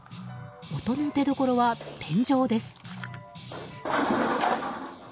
音の出どころは天井です。